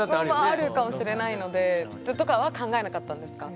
あるかもしれないので。とかは考えなかったんですか？